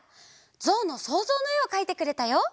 「ぞうのそうぞう」のえをかいてくれたよ。